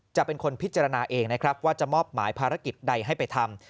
จะเป็นคนพิจารณาเองนะครับว่าจะมอบหมายภารกิจใดให้ไปทำ